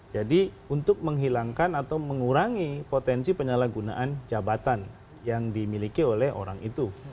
jadi untuk menghilangkan atau mengurangi potensi penyalahgunaan jabatan yang dimiliki oleh orang itu